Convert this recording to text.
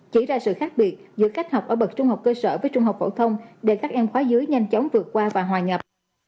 chỉ ra sự khác biệt giữa cách học ở bậc trung học cơ sở với trung học phổ thông để các em khóa dưới nhanh chóng vượt qua và hòa nhập